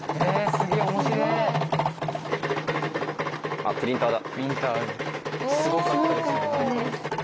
あっプリンターだ。